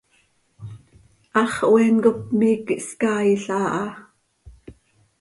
Hax hoeen cop miiqui hscaail aha.